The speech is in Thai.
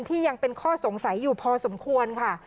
ยังเป็นข้อสงสัยอยู่พอสมควรค่ะ